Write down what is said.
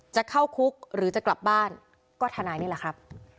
จะเข้าคุกหรือจะกลับบ้านก็ทนายนี่แหละครับ